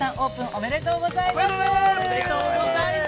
◆ありがとうございます。